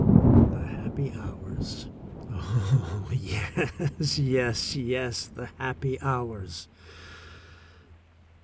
The happy hours! Oh, yes, yes, yes — the happy hours